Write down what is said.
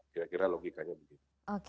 kira kira logikanya begitu